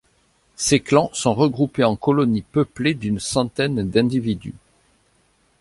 Ces clans sont regroupés en colonies peuplées d'une centaine d'individus.